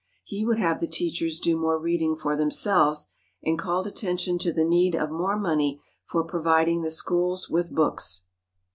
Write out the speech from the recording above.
He would have the teachers do more reading for themselves, and called attention to the need of more money for providing the schools with books.